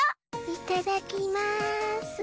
いただきます。